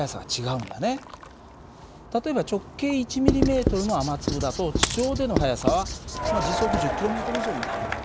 例えば直径１ｍｍの雨粒だと地上での速さは時速１０ｋｍ以上になる。